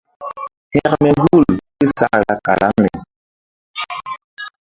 Hȩkme hul késakra karaŋri.